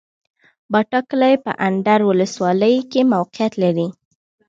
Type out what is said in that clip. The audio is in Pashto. باټا کلی په اندړ ولسوالۍ کي موقعيت لري